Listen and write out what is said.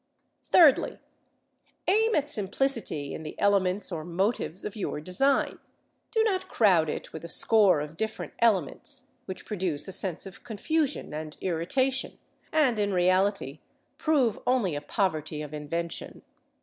Thirdly: aim at simplicity in the elements or motives of your design; do not crowd it with a score of different elements, which produce a sense of confusion and irritation, and, in reality, prove only a poverty of invention.